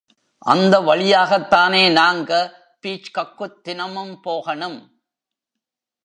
அந்த வழியாகத்தானே நாங்க பீச்கக்குத் தினமும் போகணும்!